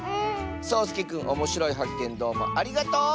そうすけくんおもしろいはっけんどうもありがとう！